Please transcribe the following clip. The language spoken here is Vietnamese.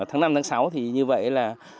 tháng năm tháng sáu thì như vậy là